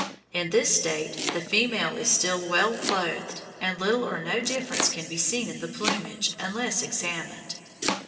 In this state the female is still well clothed, and little or no difference can be seen in the plumage, unless examined."